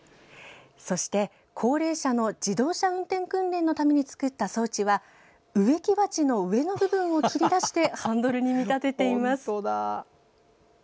そして高齢者の自動車運転訓練のために作った装置は植木鉢の上の部分を切り出してハンドルに見立てています。